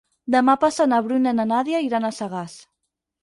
Demà passat na Bruna i na Nàdia iran a Sagàs.